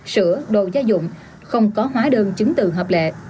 sữa đồ gia dụng không có hóa đơn chứng từ hợp lệ